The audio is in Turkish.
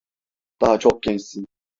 Daha çok gençsin.